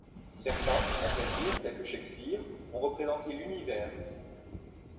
Certains, à vrai dire, tels que Shakespeare, ont représenté l'univers.